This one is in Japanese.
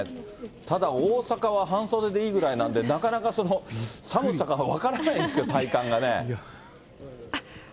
ただ大阪は半袖でいいぐらいなんで、なかなか寒さが分からないんですよ、体感がね。